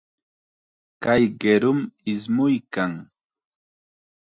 Kay qirum ismuykan.